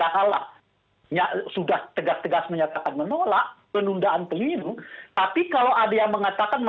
kalau kita berbicara amandemen